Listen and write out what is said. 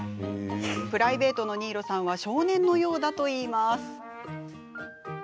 プライベートの新納さんは少年のようだといいます。